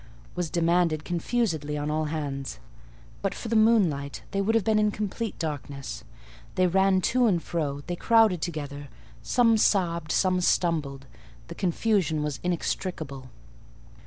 was demanded confusedly on all hands. But for the moonlight they would have been in complete darkness. They ran to and fro; they crowded together: some sobbed, some stumbled: the confusion was inextricable.